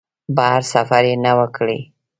بهر سفر یې نه و کړی.